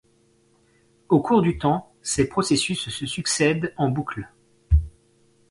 Au cours du temps, ces processus se succèdent en boucle.